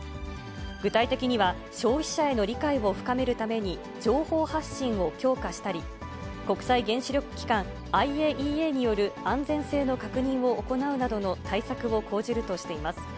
具体的には、消費者への理解を深めるために、情報発信を強化したり、国際原子力機関・ＩＡＥＡによる安全性の確認を行うなどの対策を講じるとしています。